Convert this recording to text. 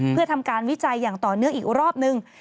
เพื่อทำการวิจัยอย่างต่อเนื่องอีกรอบนึง